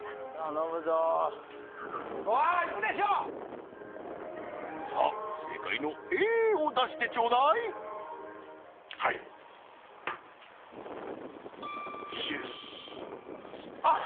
ここはいくでしょさあ正解のＡを出してちょうだいはいＣですあっ